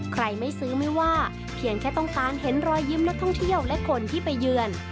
ใครไม่ซื้อไม่ว่าเพียงแค่ต้องการเห็นรอยยิ้มนักท่องเที่ยวและคนที่ไปเยือน